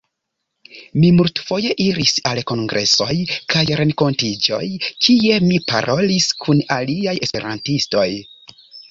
Mi multfoje iris al kongresoj kaj renkontiĝoj, kie mi parolis kun aliaj esperantistoj.